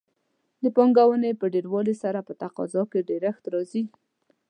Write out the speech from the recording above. د پانګونې په ډېروالي سره په تقاضا کې ډېرښت راځي.